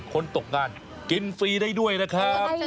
ตกงานกินฟรีได้ด้วยนะครับ